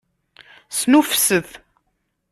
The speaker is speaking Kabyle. Snuffset!